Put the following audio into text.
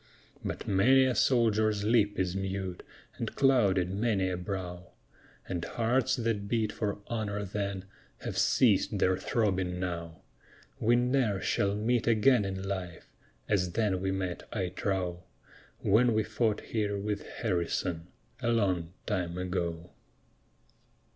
But many a soldier's lip is mute, And clouded many a brow, And hearts that beat for honor then, Have ceased their throbbing now. We ne'er shall meet again in life As then we met, I trow, When we fought here with Harrison, A long time ago.